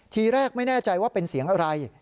ทีแรกไม่แน่ใจว่าเป็นเสียงอะไร